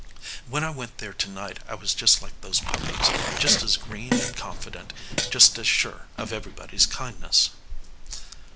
"When I went there to night I was like those puppies, just as green and confident just as sure of everybody's kindness."